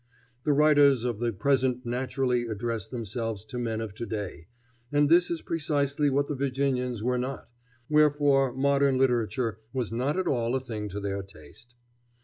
The writers of the present naturally address themselves to men of to day, and this is precisely what the Virginians were not, wherefore modern literature was not at all a thing to their taste.